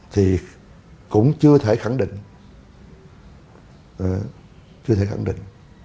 thì cũng chưa thể khẳng định